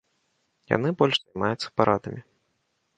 Яны больш займаюцца парадамі.